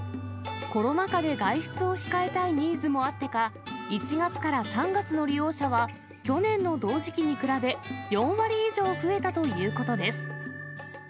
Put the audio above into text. コロナ禍で外出を控えたいニーズもあってか、１月から３月の利用者は、去年の同時期に比べ、４割以上増えたということです。